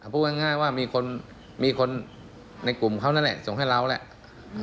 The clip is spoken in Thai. พูดง่ายว่ามีคนในกลุ่มเขานั่นแหละส่งให้เราแหละ